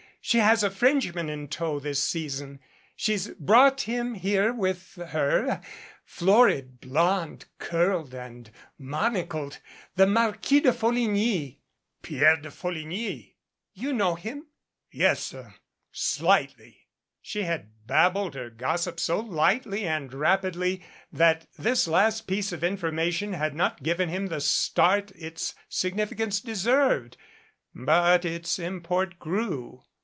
She has a Frenchman in tow this season she's brought him here with her florid, blonde, curled and monocled, the Marquis de Folligny " "Pierre de Folligny !" "You know him?" "Yes er slightly." She had babbled her gossip so lightly and rapidly that this last piece of information had not given him the start its significance deserved. But its import grew.